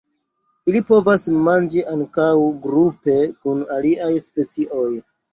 Ili povas manĝi ankaŭ grupe kun aliaj specioj.